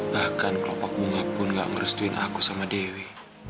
bahkan kelompok bunga pun gak merestuin aku sama dewi